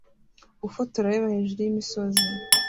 Ufotora areba hejuru y'imisozi